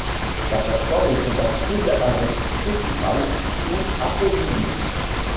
La plateforme est compatible avec Spotify ou Apple Music.